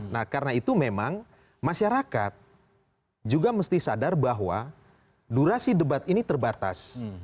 nah karena itu memang masyarakat juga mesti sadar bahwa durasi debat ini terbatas